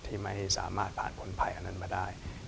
ที่ไม่สามารถผ่านผลภัยอันนั้นมาได้